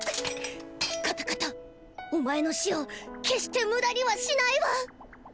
カタカタお前の死を決して無駄にはしないわ！